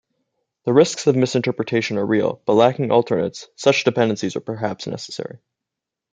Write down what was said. The risks of mis-interpretation are real, but lacking alternates, such dependencies are perhaps necessary.